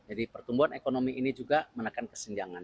jadi pertumbuhan ekonomi ini juga menekan kesenjangan